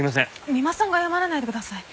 三馬さんが謝らないでください。